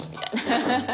アハハハ。